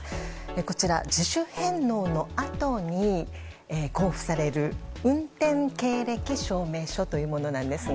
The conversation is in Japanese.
こちら、自主返納のあとに交付される運転経歴証明書というものなんですが。